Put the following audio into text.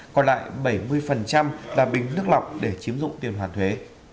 còn lại bảy mươi là bình nước lọc để chiếm dụng tiền hoàn thuế